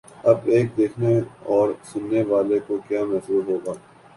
اب ایک دیکھنے اور سننے والے کو کیا محسوس ہو گا؟